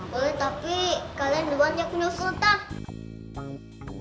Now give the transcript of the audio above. boleh tapi kalian dua punya sultang